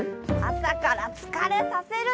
「朝から疲れさせるな！」